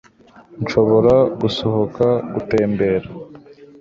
nshobora gusohoka gutembera